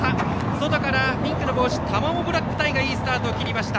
外からピンクの帽子タマモブラックタイがいいスタートを切りました。